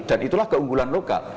dan itulah keunggulan lokal